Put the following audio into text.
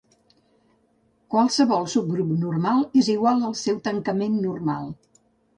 Qualsevol subgrup normal és igual al seu tancament normal.